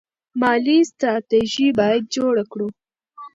مالي ستراتیژي باید جوړه کړو.